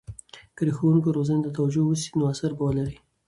که د ښوونکو روزنې ته توجه وسي، نو اثر به ولري.